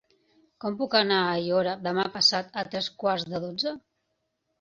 Com puc anar a Aiora demà passat a tres quarts de dotze?